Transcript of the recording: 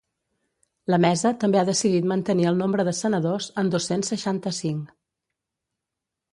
La mesa també ha decidit mantenir el nombre de senadors en dos-cents seixanta-cinc.